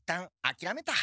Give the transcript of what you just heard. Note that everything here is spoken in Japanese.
あきらめた？